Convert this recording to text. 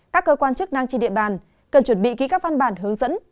các cơ quan chức năng trên địa bàn cần chuẩn bị ký các văn bản hướng dẫn